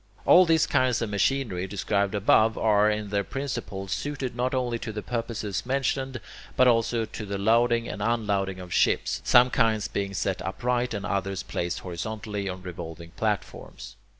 All these kinds of machinery described above are, in their principles, suited not only to the purposes mentioned, but also to the loading and unloading of ships, some kinds being set upright, and others placed horizontally on revolving platforms.